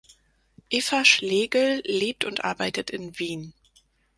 Eva Schlegel lebt und arbeitet in Wien.